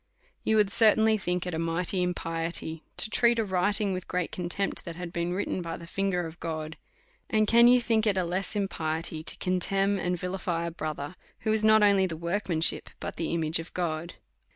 You would certainly tiiink it a mighty impiety to treat a writing with great contempt^ that had been written by the finger of God ; and can you think it a less impiety to contemn and vilify a brother, who is not only the workmanship, but the image of God?